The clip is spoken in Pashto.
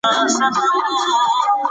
د سولې پيغام يې د حکومت ژبه وه.